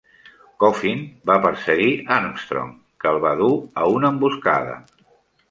Coffin va perseguir Armstrong, que el va dur a una emboscada.